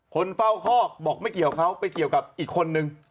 คนเฝ้าคอกบอกไม่เกี่ยวเขาไปเกี่ยวกับอีกคนนึง